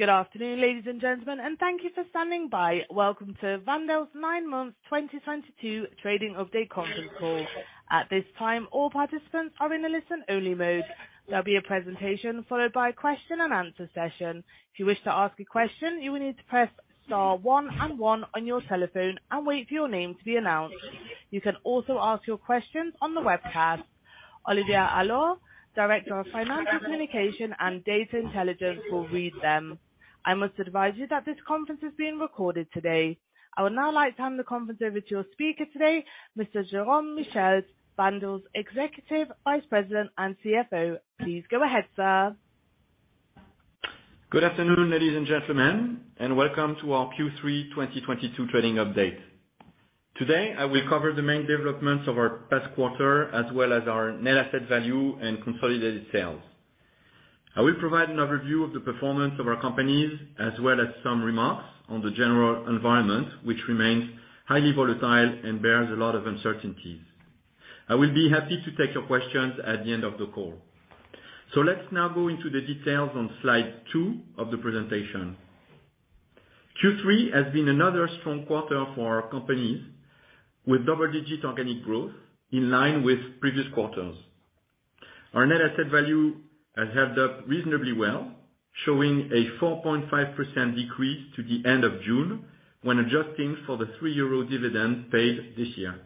Good afternoon, ladies and gentlemen, and thank you for standing by. Welcome to Wendel's Nine-Month 2022 Trading Update Conference Call. At this time, all participants are in a listen-only mode. There'll be a presentation followed by a question and answer session. If you wish to ask a question, you will need to press star one and one on your telephone and wait for your name to be announced. You can also ask your questions on the webcast. Olivier Allot, Director of Financial Communication and Data Intelligence, will read them. I must advise you that this conference is being recorded today. I would now like to hand the conference over to your speaker today, Mr. Jérôme Michiels, Wendel's Executive Vice President and CFO. Please go ahead, sir. Good afternoon, ladies and gentlemen, and welcome to our Q3 2022 trading update. Today, I will cover the main developments of our past quarter, as well as our net asset value and consolidated sales. I will provide an overview of the performance of our companies, as well as some remarks on the general environment, which remains highly volatile and bears a lot of uncertainties. I will be happy to take your questions at the end of the call. Let's now go into the details on slide 2 of the presentation. Q3 has been another strong quarter for our companies, with double-digit organic growth in line with previous quarters. Our net asset value has held up reasonably well, showing a 4.5% decrease to the end of June when adjusting for the 3 euro dividend paid this year.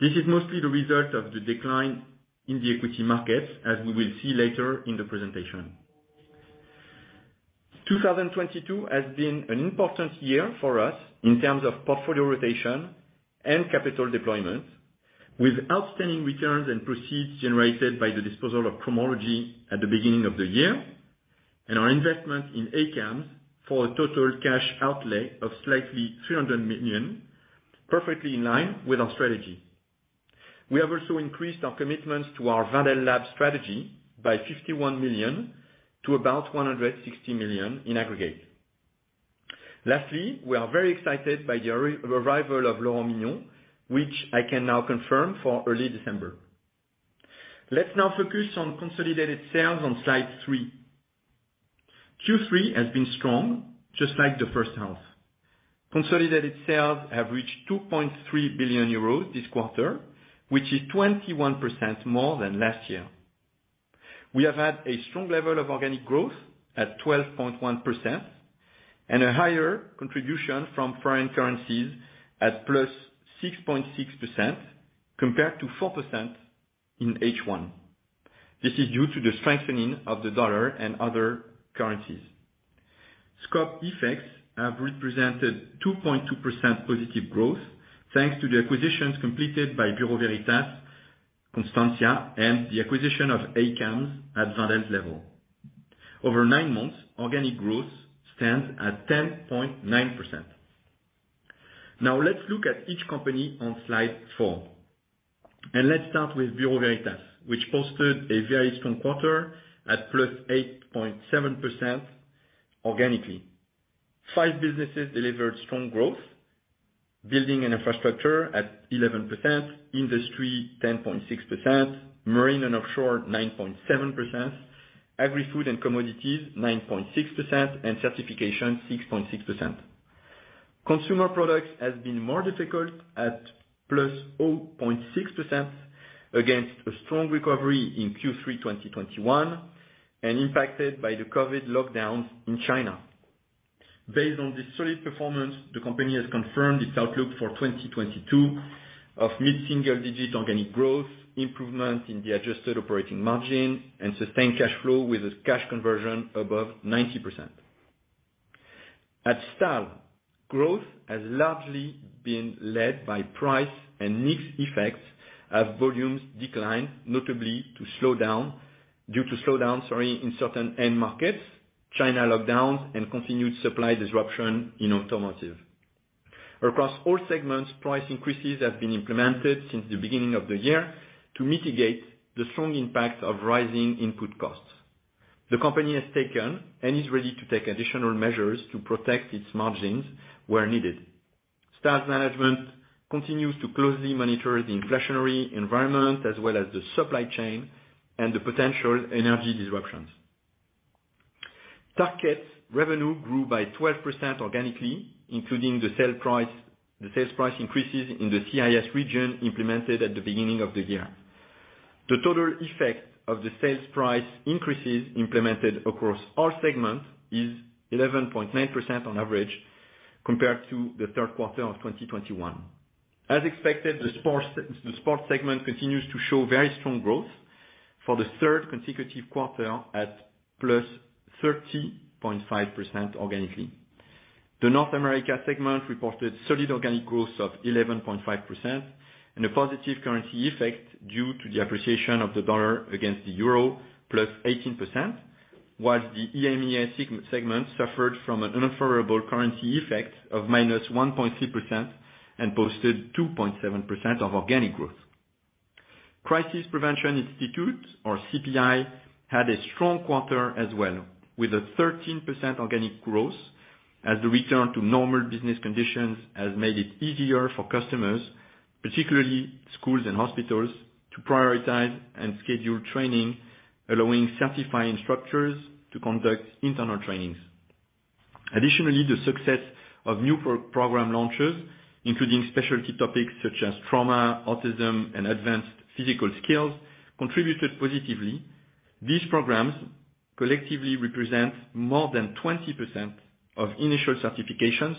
This is mostly the result of the decline in the equity markets, as we will see later in the presentation. 2022 has been an important year for us in terms of portfolio rotation and capital deployment, with outstanding returns and proceeds generated by the disposal of Cromology at the beginning of the year, and our investment in ACAMS for a total cash outlay of slightly 300 million, perfectly in line with our strategy. We have also increased our commitments to our Wendel Lab strategy by 51 million to about 160 million in aggregate. Lastly, we are very excited by the arrival of Laurent Mignon, which I can now confirm for early December. Let's now focus on consolidated sales on slide 3. Q3 has been strong, just like the first half. Consolidated sales have reached 2.3 billion euros this quarter, which is 21% more than last year. We have had a strong level of organic growth at 12.1% and a higher contribution from foreign currencies at +6.6% compared to 4% in H1. This is due to the strengthening of the dollar and other currencies. Scope effects have represented 2.2% positive growth, thanks to the acquisitions completed by Bureau Veritas, Constantia, and the acquisition of ACAMS at Wendel's level. Over 9 months, organic growth stands at 10.9%. Now let's look at each company on slide 4. Let's start with Bureau Veritas, which posted a very strong quarter at +8.7% organically. Five businesses delivered strong growth. Building and infrastructure at 11%, industry 10.6%, marine and offshore 9.7%, agrifood and commodities 9.6%, and certification 6.6%. Consumer products has been more difficult at +0.6% against a strong recovery in Q3 2021 and impacted by the COVID lockdowns in China. Based on this solid performance, the company has confirmed its outlook for 2022 of mid-single-digit organic growth, improvement in the adjusted operating margin, and sustained cash flow with a cash conversion above 90%. At Stahl, growth has largely been led by price and mix effects as volumes decline, notably due to slowdown in certain end markets, China lockdowns, and continued supply disruption in automotive. Across all segments, price increases have been implemented since the beginning of the year to mitigate the strong impact of rising input costs. The company has taken and is ready to take additional measures to protect its margins where needed. Stahl's management continues to closely monitor the inflationary environment as well as the supply chain and the potential energy disruptions. Tarkett's revenue grew by 12% organically, including the sales price increases in the CIS region implemented at the beginning of the year. The total effect of the sales price increases implemented across all segments is 11.9% on average compared to the third quarter of 2021. As expected, the sports segment continues to show very strong growth for the third consecutive quarter at +30.5% organically. The North America segment reported solid organic growth of 11.5% and a positive currency effect due to the appreciation of the dollar against the euro, +18%. While the EMEA segment suffered from an unfavorable currency effect of -1.3% and posted 2.7% of organic growth. Crisis Prevention Institute, or CPI, had a strong quarter as well, with a 13% organic growth. As the return to normal business conditions has made it easier for customers, particularly schools and hospitals, to prioritize and schedule training, allowing certifying structures to conduct internal trainings. Additionally, the success of new program launches, including specialty topics such as trauma, autism, and advanced physical skills, contributed positively. These programs collectively represent more than 20% of initial certifications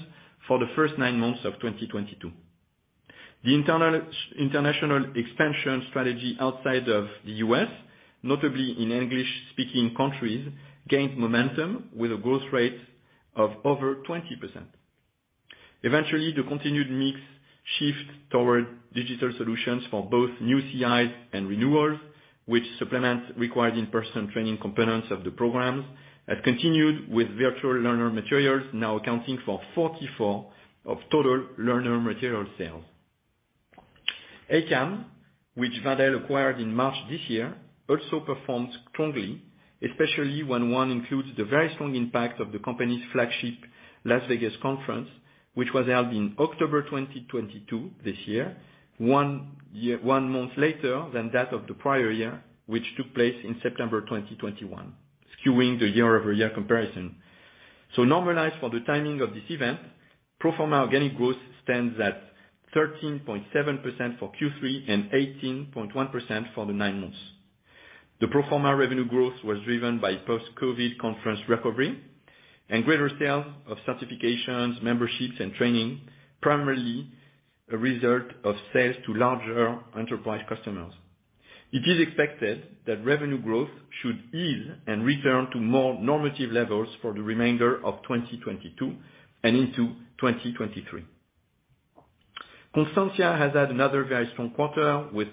for the first nine months of 2022. The international expansion strategy outside of the US, notably in English-speaking countries, gained momentum with a growth rate of over 20%. The continued mix shift toward digital solutions for both new CIs and renewals, which supplement required in-person training components of the programs, have continued with virtual learner materials, now accounting for 44% of total learner material sales. ACAMS, which Wendel acquired in March this year, also performs strongly, especially when one includes the very strong impact of the company's flagship Las Vegas conference, which was held in October 2022 this year, one month later than that of the prior year, which took place in September 2021, skewing the year-over-year comparison. Normalized for the timing of this event, pro forma organic growth stands at 13.7% for Q3 and 18.1% for the nine months. The pro forma revenue growth was driven by post-COVID conference recovery and greater sales of certifications, memberships, and training, primarily a result of sales to larger enterprise customers. It is expected that revenue growth should ease and return to more normative levels for the remainder of 2022 and into 2023. Constantia has had another very strong quarter with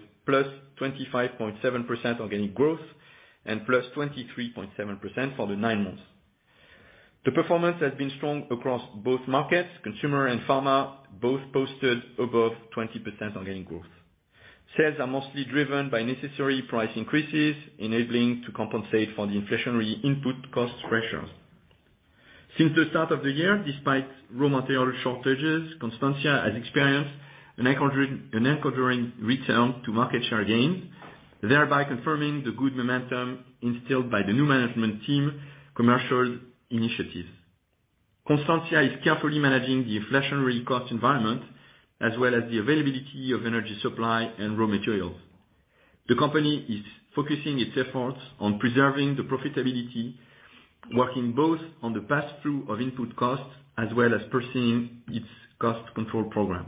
+25.7% organic growth and +23.7% for the nine months. The performance has been strong across both markets, consumer and pharma, both posted above 20% organic growth. Sales are mostly driven by necessary price increases, enabling to compensate for the inflationary input cost pressures. Since the start of the year, despite raw material shortages, Constantia has experienced an echoing return to market share gains, thereby confirming the good momentum instilled by the new management team commercial initiatives. Constantia is carefully managing the inflationary cost environment, as well as the availability of energy supply and raw materials. The company is focusing its efforts on preserving the profitability, working both on the pass-through of input costs as well as pursuing its cost control program.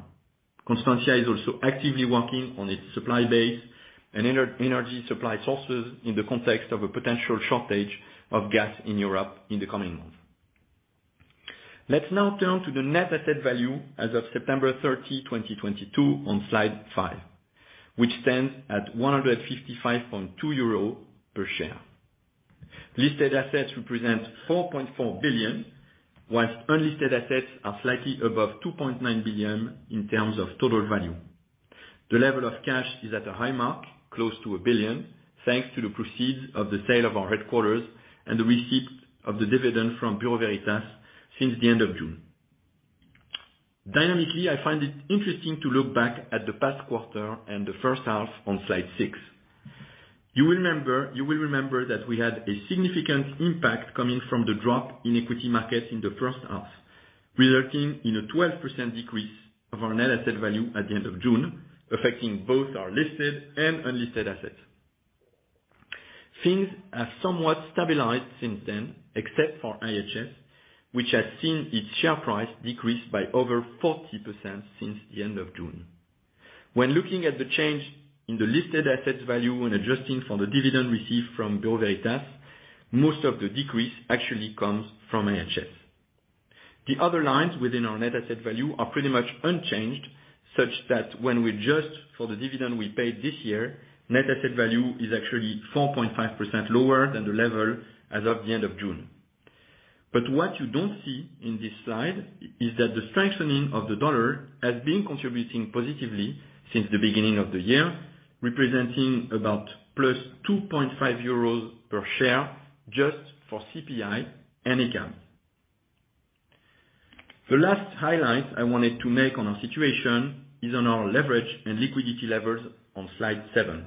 Constantia is also actively working on its supply base and energy supply sources in the context of a potential shortage of gas in Europe in the coming months. Let's now turn to the net asset value as of September 30, 2022 on slide 5, which stands at 155.2 euro per share. Listed assets represent 4.4 billion, while unlisted assets are slightly above 2.9 billion in terms of total value. The level of cash is at a high mark, close to 1 billion, thanks to the proceeds of the sale of our headquarters and the receipt of the dividend from Bureau Veritas since the end of June. Dynamically, I find it interesting to look back at the past quarter and the first half on slide 6. You will remember that we had a significant impact coming from the drop in equity markets in the first half, resulting in a 12% decrease of our net asset value at the end of June, affecting both our listed and unlisted assets. Things have somewhat stabilized since then, except for IHS, which has seen its share price decrease by over 40% since the end of June. When looking at the change in the listed assets value when adjusting for the dividend received from Bureau Veritas, most of the decrease actually comes from IHS. The other lines within our net asset value are pretty much unchanged, such that when we adjust for the dividend we paid this year, net asset value is actually 4.5% lower than the level as of the end of June. What you don't see in this slide is that the strengthening of the dollar has been contributing positively since the beginning of the year, representing about plus 2.5 euros per share just for CPI and IHS. The last highlight I wanted to make on our situation is on our leverage and liquidity levels on slide seven.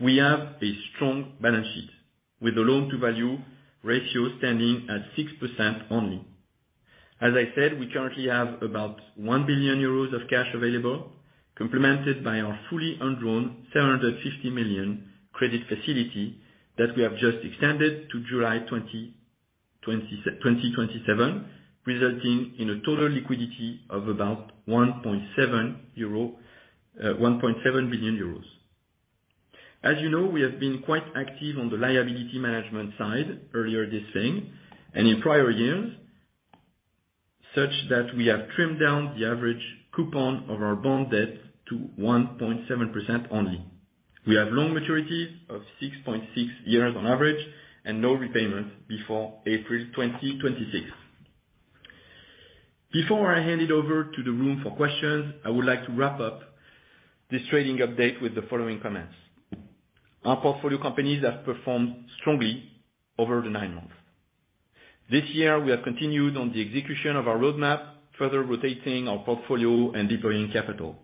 We have a strong balance sheet with the loan-to-value ratio standing at 6% only. As I said, we currently have about 1 billion euros of cash available, complemented by our fully undrawn 750 million credit facility that we have just extended to July 2027, resulting in a total liquidity of about 1.7 billion euro. As you know, we have been quite active on the liability management side earlier this year and in prior years, such that we have trimmed down the average coupon of our bond debt to 1.7% only. We have long maturities of 6.6 years on average and no repayment before April 2026. Before I hand it over to the room for questions, I would like to wrap up this trading update with the following comments. Our portfolio companies have performed strongly over the nine months. This year, we have continued on the execution of our roadmap, further rotating our portfolio and deploying capital.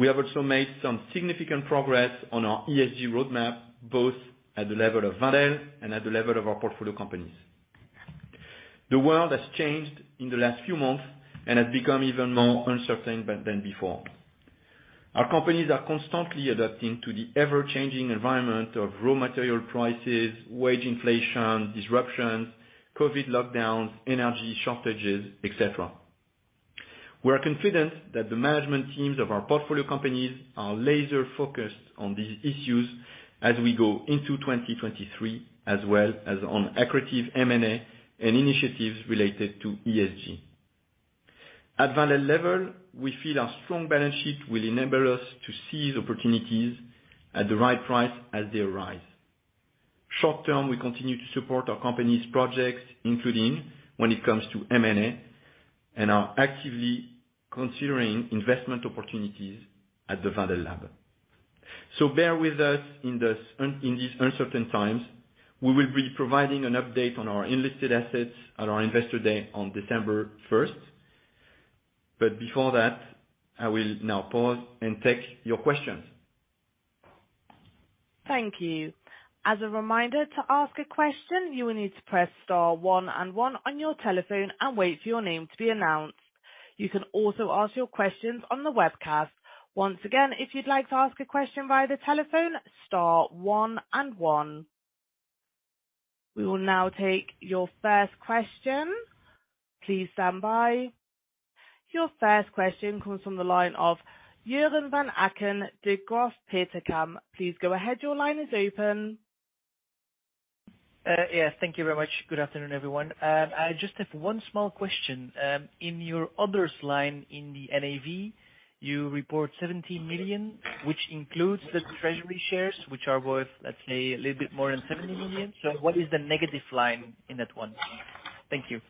We have also made some significant progress on our ESG roadmap, both at the level of Wendel and at the level of our portfolio companies. The world has changed in the last few months and has become even more uncertain than before. Our companies are constantly adapting to the ever-changing environment of raw material prices, wage inflation, disruptions, COVID lockdowns, energy shortages, et cetera. We are confident that the management teams of our portfolio companies are laser-focused on these issues as we go into 2023, as well as on accretive M&A and initiatives related to ESG. At Wendel level, we feel our strong balance sheet will enable us to seize opportunities at the right price as they arise. Short-term, we continue to support our company's projects, including when it comes to M&A, and are actively considering investment opportunities at the Wendel Lab. Bear with us in these uncertain times. We will be providing an update on our unlisted assets at our Investor Day on December first. Before that, I will now pause and take your questions. Thank you. As a reminder, to ask a question, you will need to press star one and one on your telephone and wait for your name to be announced. You can also ask your questions on the webcast. Once again, if you'd like to ask a question via the telephone, star one and one. We will now take your first question. Please stand by. Your first question comes from the line of Joren Van Aken, Degroof Petercam. Please go ahead. Your line is open. Yes. Thank you very much. Good afternoon, everyone. I just have one small question. In your others line in the NAV, you report 17 million, which includes the treasury shares, which are worth, let's say, a little bit more than 70 million. What is the negative line in that one? Thank you.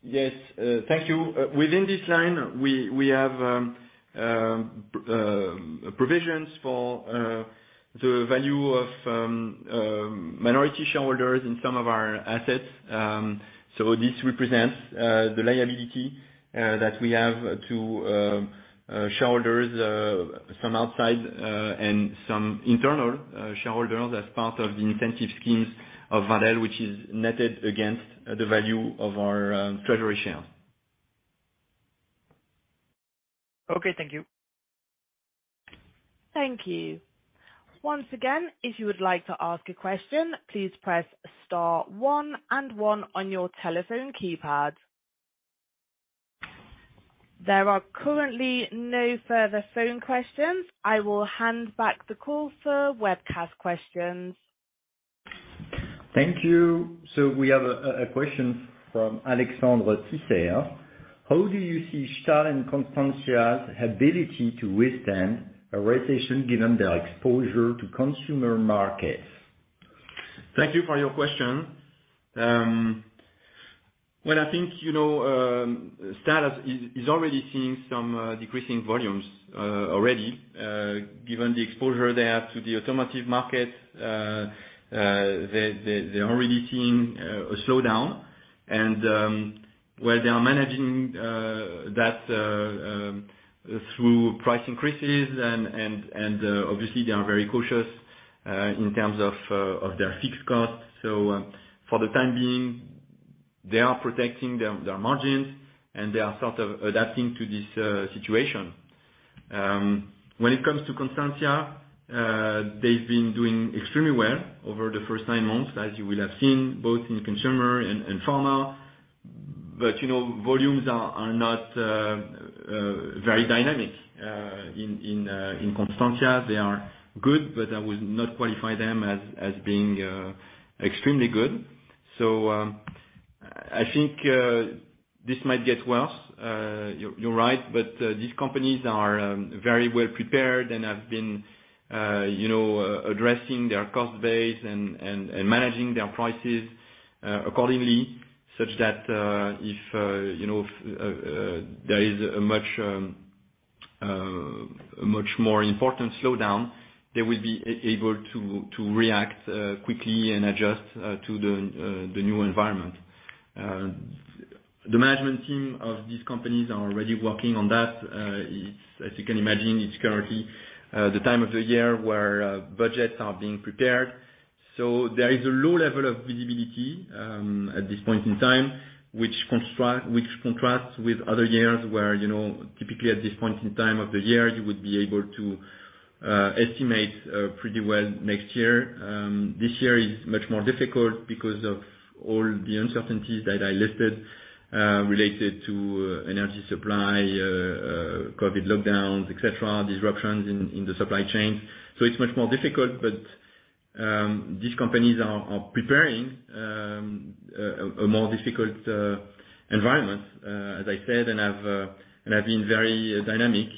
Yes, thank you. Within this line, we have provisions for the value of minority shareholders in some of our assets. This represents the liability that we have to shareholders, some outside and some internal shareholders as part of the incentive schemes of Wendel, which is netted against the value of our treasury shares. Okay. Thank you. Thank you. Once again, if you would like to ask a question, please press star one and one on your telephone keypad. There are currently no further phone questions. I will hand back the call for webcast questions. Thank you. We have a question from Alexandre Gerard. How do you see Stahl and Constantia's ability to withstand a recession given their exposure to consumer markets? Thank you for your question. Well, I think, you know, Stahl is already seeing some decreasing volumes already. Given the exposure they have to the automotive market, they’re already seeing a slowdown. They are managing that through price increases and obviously they are very cautious in terms of their fixed costs. For the time being, they are protecting their margins, and they are sort of adapting to this situation. When it comes to Constantia, they’ve been doing extremely well over the first nine months, as you will have seen both in consumer and pharma. You know, volumes are not very dynamic in Constantia. They are good, but I would not qualify them as being extremely good. I think this might get worse, you're right. These companies are very well prepared and have been, you know, addressing their cost base and managing their prices accordingly, such that, if you know, there is a much more important slowdown, they will be able to react quickly and adjust to the new environment. The management team of these companies are already working on that. It's, as you can imagine, currently the time of the year where budgets are being prepared. There is a low level of visibility at this point in time, which contrasts with other years where, you know, typically at this point in time of the year, you would be able to estimate pretty well next year. This year is much more difficult because of all the uncertainties that I listed related to energy supply, COVID lockdowns, et cetera, disruptions in the supply chain. It's much more difficult, but these companies are preparing a more difficult environment, as I said, and have been very dynamic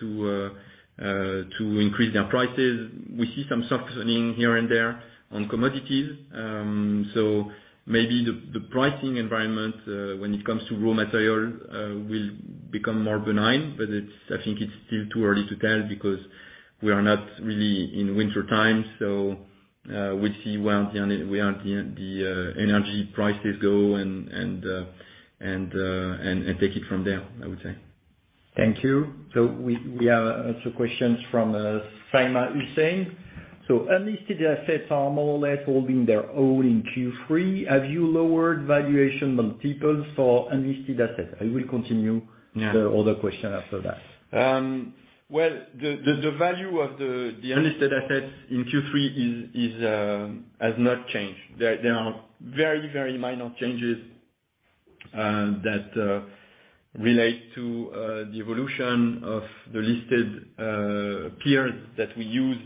to increase their prices. We see some softening here and there on commodities. Maybe the pricing environment when it comes to raw material will become more benign. I think it's still too early to tell because we are not really in winter time, so we'll see where the energy prices go and take it from there, I would say. Thank you. We have some questions from Saima Hussain. Unlisted assets are more or less holding their own in Q3. Have you lowered valuation multiples for unlisted assets? I will continue. Yeah. the other question after that. Well, the value of the unlisted assets in Q3 has not changed. There are very minor changes that relate to the evolution of the listed peers that we use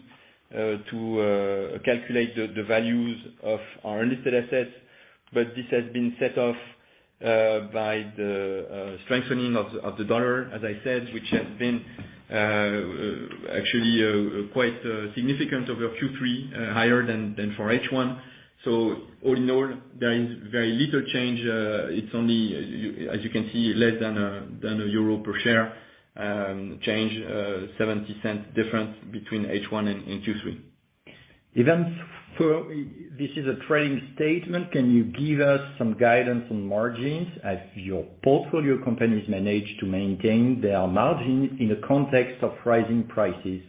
to calculate the values of our unlisted assets. But this has been set off by the strengthening of the dollar, as I said, which has been actually quite significant over Q3, higher than for H1. All in all, there is very little change. It's only, as you can see, less than EUR 1 per share change, 0.70 difference between H1 and Q3. Even so, this is a trailing statement. Can you give us some guidance on margins as your portfolio companies manage to maintain their margin in the context of rising prices?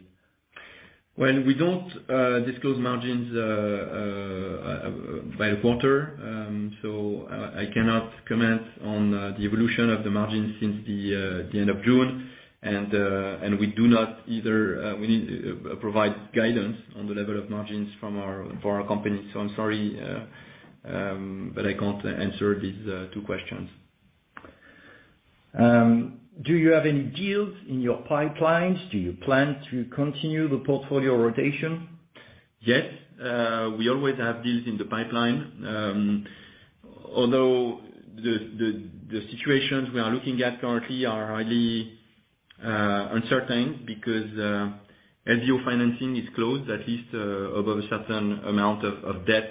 Well, we don't disclose margins by quarter, so I cannot comment on the evolution of the margins since the end of June. We do not either provide guidance on the level of margins for our companies. I'm sorry, but I can't answer these two questions. Do you have any deals in your pipelines? Do you plan to continue the portfolio rotation? Yes, we always have deals in the pipeline. Although the situations we are looking at currently are highly uncertain because LBO financing is closed, at least above a certain amount of debt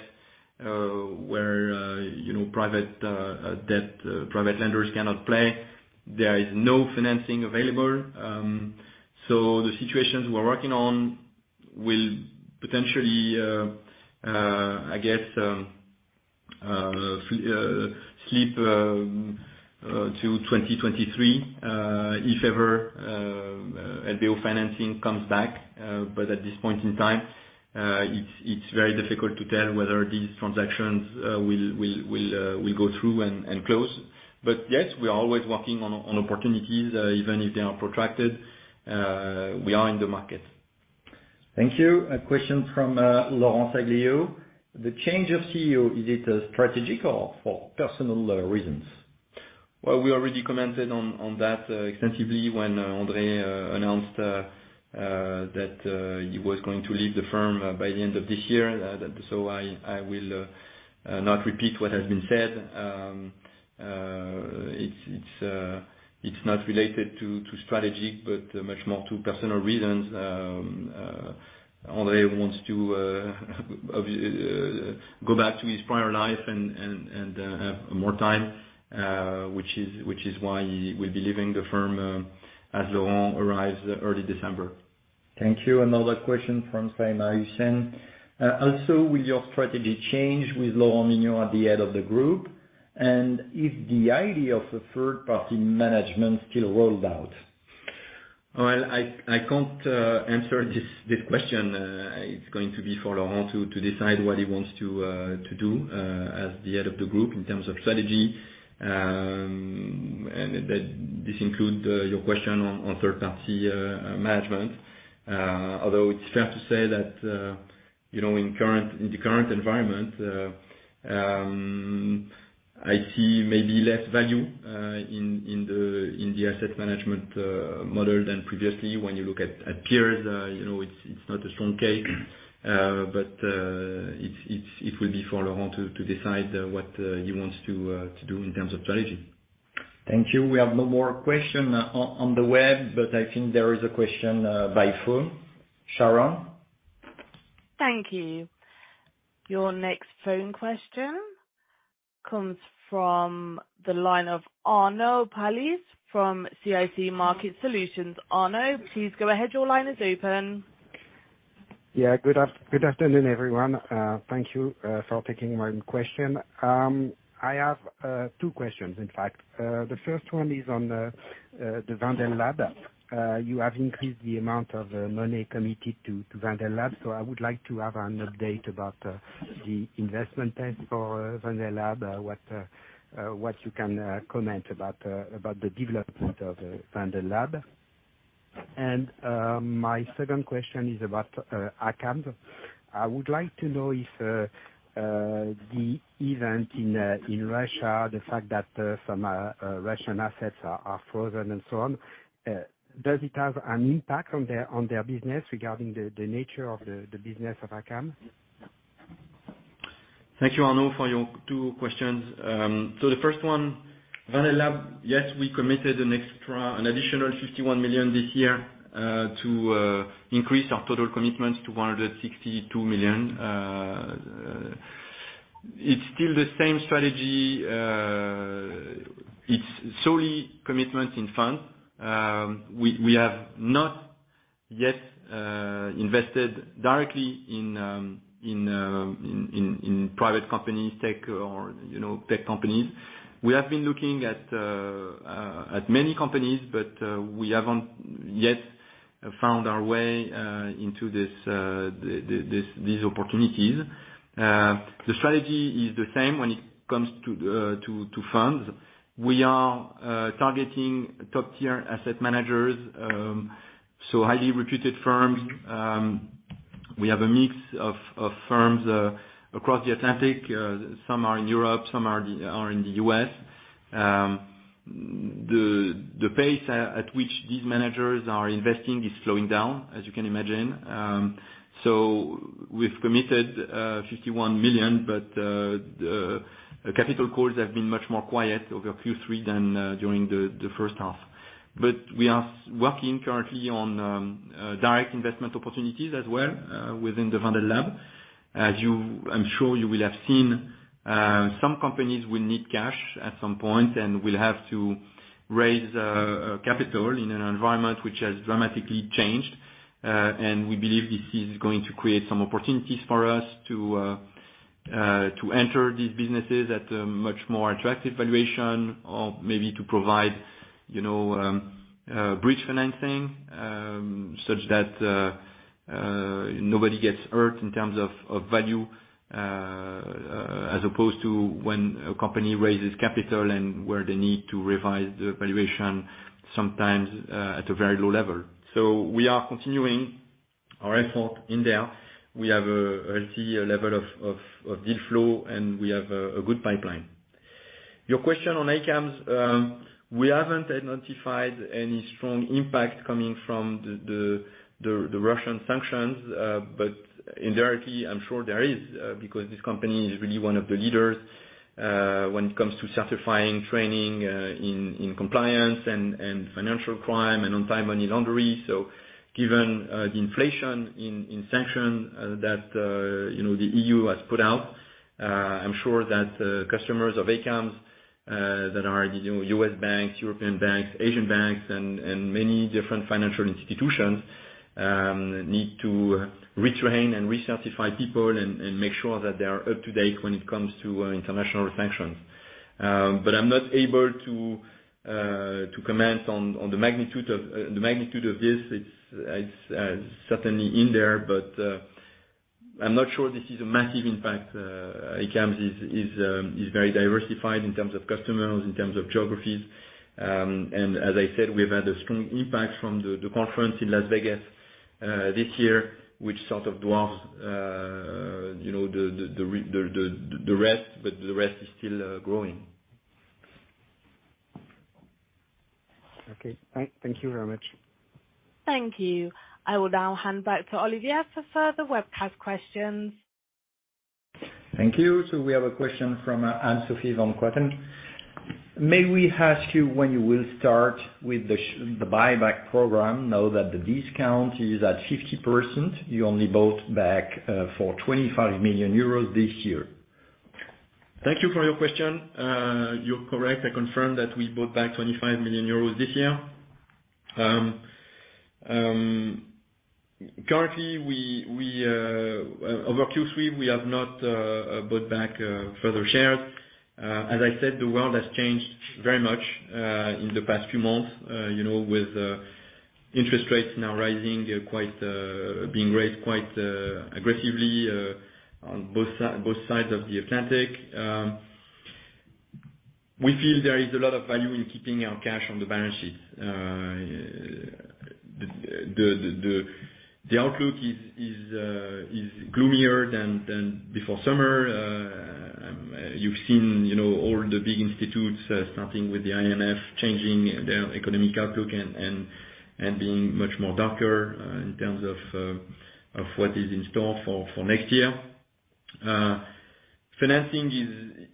where you know, private debt, private lenders cannot play. There is no financing available. The situations we're working on will potentially, I guess, slip to 2023 if ever LBO financing comes back. At this point in time, it's very difficult to tell whether these transactions will go through and close. Yes, we are always working on opportunities, even if they are protracted, we are in the market. Thank you. A question from Laurence Aglio. The change of CEO, is it strategic or for personal reasons? Well, we already commented on that extensively when André announced that he was going to leave the firm by the end of this year. I will not repeat what has been said. It's not related to strategy, but much more to personal reasons. André wants to go back to his prior life and have more time, which is why he will be leaving the firm as Laurent arrives early December. Thank you. Another question from Saima Hussain. Also, will your strategy change with Laurent Mignon at the head of the group? Is the idea of the third-party management still rolled out? Well, I can't answer this question. It's going to be for Laurent to decide what he wants to do as the head of the group in terms of strategy. This includes your question on third party management. Although it's fair to say that, you know, in the current environment, I see maybe less value in the asset management model than previously. When you look at peers, you know, it's not a strong case. It will be for Laurent to decide what he wants to do in terms of strategy. Thank you. We have no more question on the web, but I think there is a question by phone. Sharon? Thank you. Your next phone question comes from the line of Arnaud Palliez from CIC Market Solutions. Arnaud, please go ahead. Your line is open. Yeah. Good afternoon, everyone. Thank you for taking my question. I have two questions, in fact. The first one is on the Wendel Lab. You have increased the amount of money committed to Wendel Lab, so I would like to have an update about the investments for Wendel Lab, what you can comment about the development of Wendel Lab. My second question is about ACAMS. I would like to know if the event in Russia, the fact that some Russian assets are frozen and so on, does it have an impact on their business regarding the nature of the business of ACAMS? Thank you, Arnaud Palliez, for your two questions. The first one, Wendel Lab, yes, we committed an additional 51 million this year to increase our total commitments to 162 million. It's still the same strategy. It's solely commitments in fund. We have not yet invested directly in private companies, tech or, you know, tech companies. We have been looking at many companies, but we haven't yet found our way into these opportunities. The strategy is the same when it comes to funds. We are targeting top-tier asset managers, so highly recruited firms. We have a mix of firms across the Atlantic. Some are in Europe, some are in the US. The pace at which these managers are investing is slowing down, as you can imagine. We've committed 51 million, but capital calls have been much more quiet over Q3 than during the first half. We are working currently on direct investment opportunities as well within the Wendel Lab. I'm sure you will have seen some companies will need cash at some point, and will have to raise capital in an environment which has dramatically changed. We believe this is going to create some opportunities for us to enter these businesses at a much more attractive valuation or maybe to provide, you know, bridge financing, such that nobody gets hurt in terms of value, as opposed to when a company raises capital and where they need to revise the valuation sometimes at a very low level. We are continuing our effort in there. We have a healthy level of deal flow, and we have a good pipeline. Your question on ACAMS, we haven't identified any strong impact coming from the Russian sanctions, but indirectly, I'm sure there is, because this company is really one of the leaders when it comes to certifying training in compliance and financial crime and anti-money laundering. Given the inflation in sanctions that you know the EU has put out, I'm sure that customers of ACAMS that are you know U.S. banks, European banks, Asian banks and many different financial institutions need to retrain and recertify people and make sure that they are up to date when it comes to international sanctions. I'm not able to comment on the magnitude of this. It's certainly in there. I'm not sure this is a massive impact. ACAMS is very diversified in terms of customers, in terms of geographies. As I said, we've had a strong impact from the conference in Las Vegas this year, which sort of dwarfs you know the rest, but the rest is still growing. Okay. Thank you very much. Thank you. I will now hand back to Olivier for further webcast questions. Thank you. We have a question from Anne-Sophie von Klitzing. May we ask you when you will start with the buyback program now that the discount is at 50%, you only bought back for 25 million euros this year. Thank you for your question. You're correct. I confirm that we bought back 25 million euros this year. Currently we over Q3, we have not bought back further shares. As I said, the world has changed very much in the past few months, you know, with interest rates now rising quite being raised quite aggressively on both sides of the Atlantic. We feel there is a lot of value in keeping our cash on the balance sheet. The outlook is gloomier than before summer. You've seen, you know, all the big institutions starting with the IMF changing their economic outlook and being much more darker in terms of what is in store for next year. Financing is.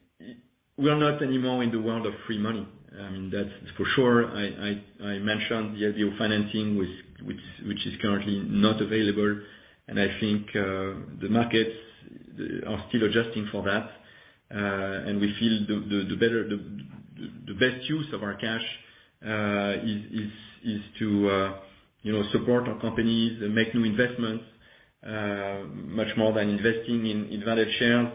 We are not anymore in the world of free money. I mean, that's for sure. I mentioned the idea of financing which is currently not available, and I think the markets are still adjusting for that. We feel the best use of our cash is to, you know, support our companies and make new investments much more than investing in Wendel shares,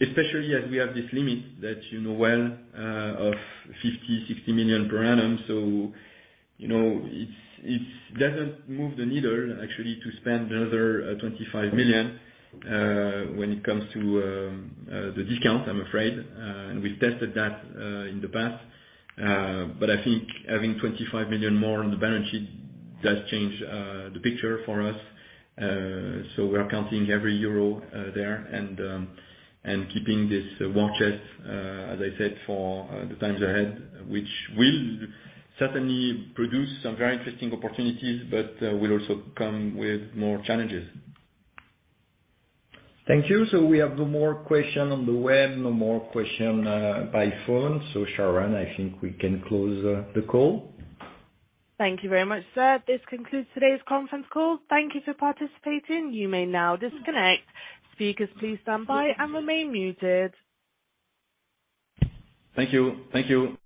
especially as we have this limit that you know well of 50 to 60 million per annum. You know, it doesn't move the needle actually to spend another 25 million when it comes to the discount, I'm afraid. We've tested that in the past, but I think having 25 million more on the balance sheet does change the picture for us. We are counting every euro there and keeping this war chest, as I said, for the times ahead, which will certainly produce some very interesting opportunities, but will also come with more challenges. Thank you. We have no more question on the web, no more question by phone. Sharon, I think we can close the call. Thank you very much, sir. This concludes today's conference call. Thank you for participating. You may now disconnect. Speakers, please stand by and remain muted. Thank you. Thank you.